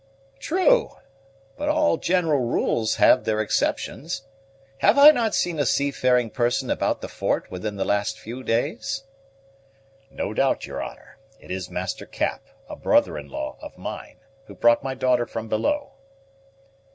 "True; but all general rules have their exceptions. Have I not seen a seafaring person about the fort within the last few days?" "No doubt, your honor; it is Master Cap, a brother in law of mine, who brought my daughter from below."